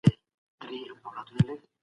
ايډيالوژي د سياسي پريکړو بڼه روښانه کوي.